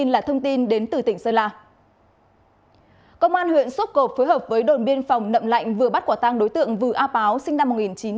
công an huyện sốt cộp phối hợp với đồn biên phòng nậm lạnh vừa bắt quả tăng đối tượng vừa a báo sinh năm một nghìn chín trăm sáu mươi ba